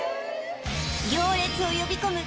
行列を呼び込む